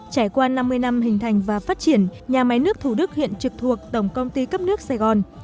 trải qua năm mươi năm hình thành và phát triển nhà máy nước thủ đức hiện trực thuộc tổng công ty cấp nước sài gòn